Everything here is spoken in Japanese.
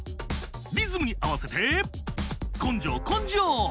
「リズムにあわせてこんじょうこんじょう！」